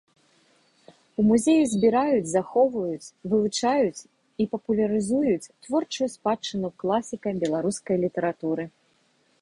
У музеі збіраюць, захоўваюць, вывучаюць і папулярызуюць творчую спадчыну класіка беларускай літаратуры.